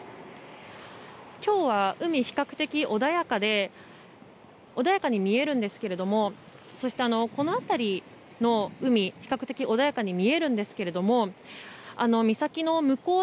今日は海、比較的穏やかに見えるんですけどもそして、この辺りの海比較的穏やかに見えるんですけど岬の向こう